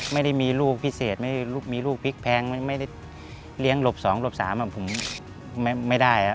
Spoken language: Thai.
ไม่ได้มีลูกพิเศษมีลูกพลิกแพงไม่ได้เลี้ยงหลบ๒หลบ๓ผมไม่ได้